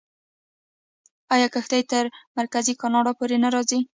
آیا کښتۍ تر مرکزي کاناډا پورې نه راځي؟